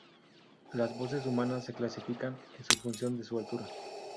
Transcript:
Las voces humanas se clasifican en función de su altura.